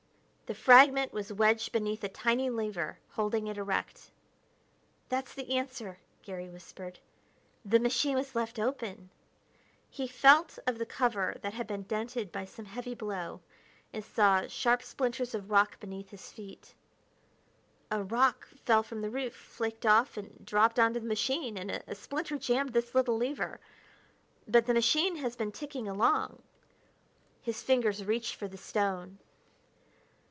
The fragment was wedged beneath a tiny lever, holding it erect. "That's the answer," Garry whispered. "The machine was left open," he felt of the cover that had been dented by some heavy blow, and saw sharp splinters of rock beneath his feet "a rock fell from the roof, flaked off and dropped onto the machine, and a splinter jammed this little lever. But the machine has been ticking along...." His fingers reached for the stone.